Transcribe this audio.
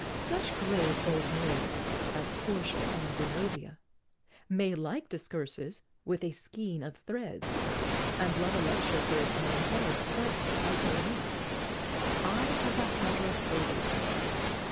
Such grave old maids as Portia and Zenobia May like discourses with a skein of threads, And love a lecture for its many heads, But as for me, I have the Hydra phobia.